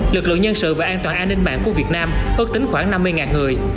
lực lượng nhân sự và an toàn an ninh mạng của việt nam ước tính khoảng năm mươi người